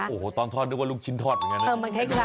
โอ้โหตอนทอดนึกว่าลูกชิ้นทอดเหมือนกันนะ